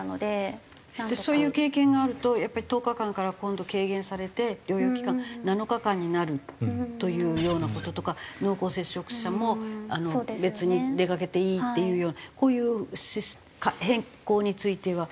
そういう経験があるとやっぱり１０日間から今度軽減されて療養期間７日間になるというような事とか濃厚接触者も別に出かけていいっていうようなこういう変更については。